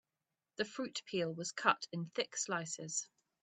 The fruit peel was cut in thick slices.